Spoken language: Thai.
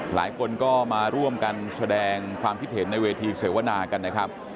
หลายคนก็มาร่วมกันแสดงความคิดเห็นในเวทีเสวนากันนะครับ